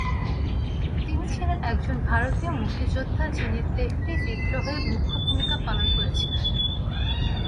তিনি ছিলেন একজন ভারতীয় মুক্তিযোদ্ধা যিনি তেহরি বিদ্রোহে মুখ্য ভূমিকা পালন করেছিলেন।